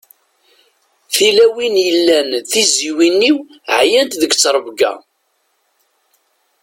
Tilawin yellan d tizziwin-iw ɛeyyant deg ttrebga.